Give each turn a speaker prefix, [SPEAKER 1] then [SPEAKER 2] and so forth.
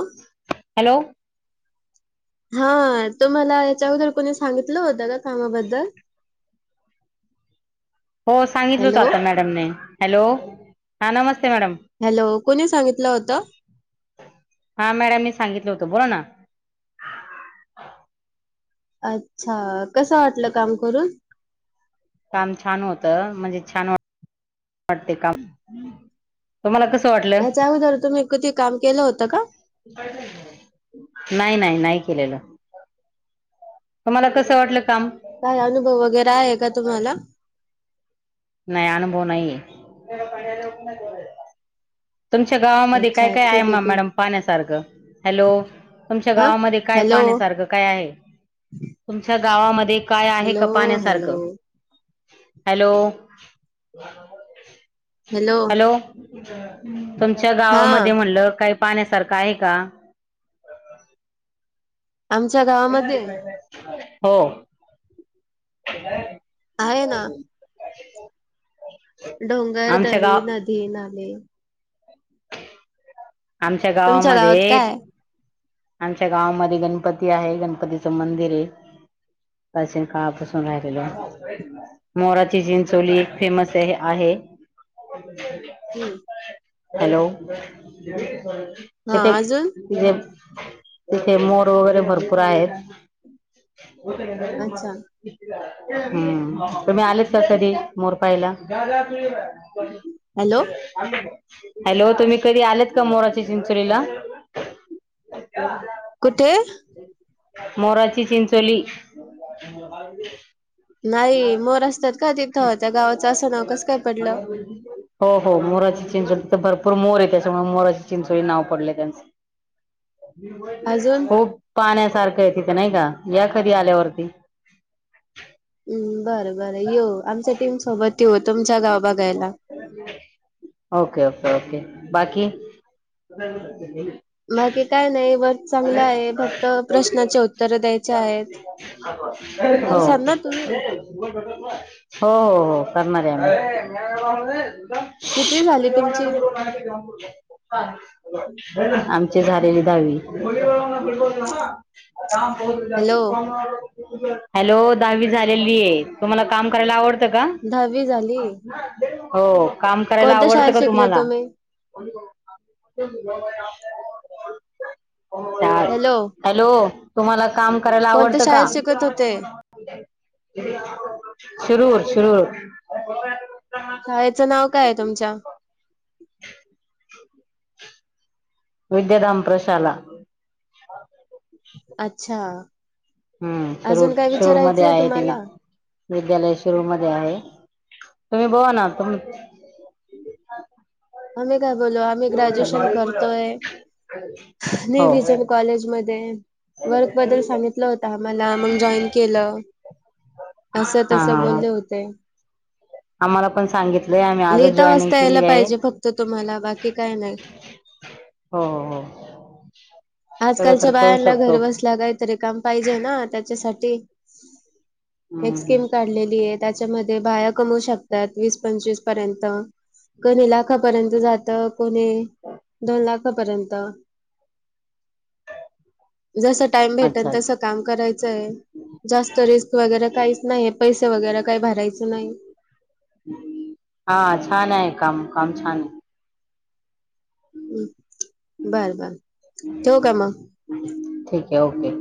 [SPEAKER 1] ह
[SPEAKER 2] हॅलो
[SPEAKER 1] हा तुम्हाला याच्याअगोदर कोणी सांगितलं होतं का कामाबद्दल?
[SPEAKER 2] हो सांगितलं होत
[SPEAKER 1] हॅलो
[SPEAKER 2] आता मॅडमने हॅलो हा नमस्ते मॅडम.
[SPEAKER 1] हॅलो कोणी सांगितलं होतं?
[SPEAKER 2] हां मॅडम मी सांगितलं होत बोला ना.
[SPEAKER 1] अच्छा कसं वाटलं काम करून
[SPEAKER 2] काम छान होतं म्हणजे छान वाटते काम तुम्हाला कस वाटलं?
[SPEAKER 1] याच्या अगोदर तुम्ही कधी काम केलं होतं का?
[SPEAKER 2] नाही नाही नाही केलेलं. तुम्हाला कसं वाटलं काम?
[SPEAKER 1] काय अनुभव वगैरे आहे का तुम्हाला?
[SPEAKER 2] नाही अनुभव नाही. तुमच्या गावामध्ये काय
[SPEAKER 1] अच्छा
[SPEAKER 2] काय आहे
[SPEAKER 1] ठीक ठीक
[SPEAKER 2] मॅडम पाहण्या सारखं हॅलो. तुमच्या
[SPEAKER 1] हा
[SPEAKER 2] गावामध्ये काय
[SPEAKER 1] हॅलो
[SPEAKER 2] पाहण्या सारखं काय आहे? तुमच्या गावामध्ये काय आहे
[SPEAKER 1] हॅलो
[SPEAKER 2] का
[SPEAKER 1] हॅलो
[SPEAKER 2] पाण्यासारखं? हॅलो
[SPEAKER 1] हॅलो
[SPEAKER 2] तुमच्या
[SPEAKER 1] हा
[SPEAKER 2] गावामध्ये म्हणलं काही पाहण्यासारखं आहे का?
[SPEAKER 1] आमच्या गाव
[SPEAKER 2] हो.
[SPEAKER 1] आहे ना डोंगर,
[SPEAKER 2] आमच्या
[SPEAKER 1] दरी,
[SPEAKER 2] गाव
[SPEAKER 1] नदी, नाले
[SPEAKER 2] आमच्या
[SPEAKER 1] तुमच्या गावात
[SPEAKER 2] गावामध्ये
[SPEAKER 1] काय आहे?
[SPEAKER 2] आमच्या गावामध्ये गणपती आहे, गणपतीच मंदिर आहे. प्राचीन काळापासून राहिलेलं. मोराची चिंचोली एक फेमस आहे आहे.
[SPEAKER 1] हम्म.
[SPEAKER 2] हॅलो,
[SPEAKER 1] हा
[SPEAKER 2] तिथे
[SPEAKER 1] अजून
[SPEAKER 2] तिथे तिथे मोर वगैरे भरपूर आहेत.
[SPEAKER 1] अच्छा
[SPEAKER 2] हम्म, तुम्ही आलेत का कधी मोर पायला?
[SPEAKER 1] हॅलो
[SPEAKER 2] हॅलो, तुम्ही कधी आलेत का मोराची चिंचोलीला? अ
[SPEAKER 1] कुठे?
[SPEAKER 2] मोराची चिंचोली. [unintelligible]
[SPEAKER 1] नाही मोर असतात का तिथं, त्या गावाचं असं नाव कसं काय पडलं?
[SPEAKER 2] ह हो हो मोराची चिंचोली तर भरपूर मोर आहे, त्याच्यामुळे मोराची चिंचोली नाव पडलय त्यांचं.
[SPEAKER 1] अजून
[SPEAKER 2] खूप पाण्यासारखं आहे तिथं नाही का, या कधी आल्यावरती.
[SPEAKER 1] हम्म बरं बरं येऊ, आमच्या टीमसोबत येऊ, तुमच्या गाव बघायला.
[SPEAKER 2] ओके ओके ओके, बाकी?
[SPEAKER 1] बाकी काय नाही, वर्क चांगला आहे, फक्त प्रश्नाचे उत्तर द्यायचे आहेत.
[SPEAKER 2] हो. हो
[SPEAKER 1] करसाल ना तुम्ही
[SPEAKER 2] हो हो, करणार आहे
[SPEAKER 1] कितवी झाली तुमची
[SPEAKER 2] आम्ही. [unintelligible] आमची झालेली दहावी.
[SPEAKER 1] हॅलो
[SPEAKER 2] [unintelligible] हॅलो दहावी झालेली आहे, तुमला काम करायला आवड तं का?
[SPEAKER 1] दहावी झाली
[SPEAKER 2] हो काम करायला
[SPEAKER 1] कोणत्या
[SPEAKER 2] आवडत
[SPEAKER 1] शाळेत
[SPEAKER 2] का
[SPEAKER 1] शिकले
[SPEAKER 2] तुम्हाला?
[SPEAKER 1] तुम्ही
[SPEAKER 2] [unintelligible]
[SPEAKER 1] हॅलो
[SPEAKER 2] हॅलो, तुम्हाला काम करायला
[SPEAKER 1] कोणत्या
[SPEAKER 2] आवडत का?
[SPEAKER 1] शाळेत शिकत होते
[SPEAKER 2] शिरूर शिरूर. [unintelligible]
[SPEAKER 1] शाळेचं नाव काय आहे तुमच्या?
[SPEAKER 2] [inaudible] विद्याधाम प्रशाला.
[SPEAKER 1] अच्छा.
[SPEAKER 2] हम्म, शिरूर
[SPEAKER 1] अजून काय
[SPEAKER 2] शिरूरमध्ये
[SPEAKER 1] विचारायचंय
[SPEAKER 2] आहे ते वि
[SPEAKER 1] तुम्हाला
[SPEAKER 2] विद्यालय शिरूर मध्ये आहे. तुम्ही बोला ना तुम
[SPEAKER 1] आम्ही काय बोलो, आम्ही ग्रॅज्युएशन करतोय.
[SPEAKER 2] हो
[SPEAKER 1] [unintelligible]
[SPEAKER 2] हा
[SPEAKER 1] कॉलेज मध्ये आहे. वर्क बद्दल सांगितलं होत आम्हाला, मग जॉईन केलं. असं
[SPEAKER 2] हा
[SPEAKER 1] तसं
[SPEAKER 2] हा
[SPEAKER 1] बोलले होते.
[SPEAKER 2] आम्हाला पण सांगितलंय, आम्ही आजच
[SPEAKER 1] लिहिता
[SPEAKER 2] जॉईनिंग
[SPEAKER 1] वाचता यायला
[SPEAKER 2] केली आहे.
[SPEAKER 1] पाहिजे फक्त तुम्हाला बाकी काय नाही.
[SPEAKER 2] हो हो हो. सगळं तर
[SPEAKER 1] आजकालच्या
[SPEAKER 2] करू
[SPEAKER 1] बायांना
[SPEAKER 2] शकतो
[SPEAKER 1] घरी बसल्या काहीतरी काम पाहिजे ना, त्याच्यासाठी एक
[SPEAKER 2] हम्म हम्म
[SPEAKER 1] स्कीम काढलेली आहे. त्याच्यामध्ये बाया कमवू शकतात, वीस पंचवीस पर्यंत. कोणी लाखापर्यंत जात कोणी दोन लाखापर्यंत जस टाइम
[SPEAKER 2] अच्छा
[SPEAKER 1] भेटेल तसं
[SPEAKER 2] अच्छा
[SPEAKER 1] काम करायचं आहे. जास्त रिस्क वगैरे काहीच नाही पैसे वगैरे काही भरायचं नाही.
[SPEAKER 2] हा छान आहे काम काम छान आहे.
[SPEAKER 1] बर बर ठेवू का मग?
[SPEAKER 2] ठीक आहे ओके